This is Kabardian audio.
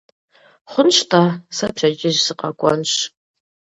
Хъунщ-тӀэ, сэ пщэдджыжь сыкъэкӀуэнщ.